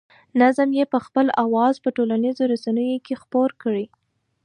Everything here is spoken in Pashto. نظم یې په خپل اواز په ټولنیزو رسنیو کې خپور کړی.